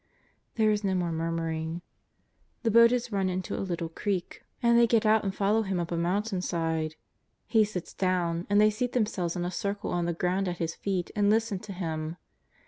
There is no more murmuring. The boat is run into a little creek, 237 238 JESUS OF NAZARETH. and they get out and follow Him up a mountain side, lie sits down, and thev scat themselves in a circle on the ground at His feet and listen to Him.